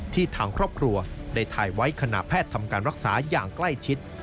ทางครอบครัวได้ถ่ายไว้ขณะแพทย์ทำการรักษาอย่างใกล้ชิด